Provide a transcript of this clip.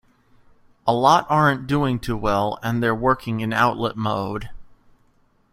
A lot aren't doing too well and they're working in outlet mode.